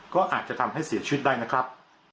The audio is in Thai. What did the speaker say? ก็อาจจะทำให้เสียชีวิตได้นะครับ